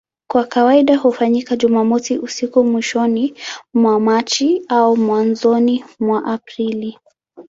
Kwa kawaida hufanyika Jumamosi usiku mwishoni mwa Machi au mwanzoni mwa Aprili.